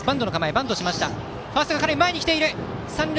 バントをしました。